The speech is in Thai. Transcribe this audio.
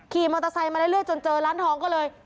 ขี่มอเตอร์ไซค์มาเรื่อยจนเจอร้านทองก็เลย